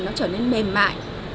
nó trở nên mềm mại